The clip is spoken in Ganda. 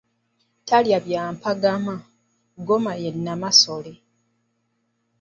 Talya bwa mpampagama, ngoma ya Namasole.